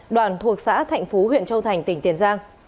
đoàn thuộc xã thạnh phú huyện châu thành tỉnh tiền giang